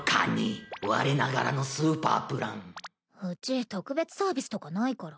うち特別サービスとかないから。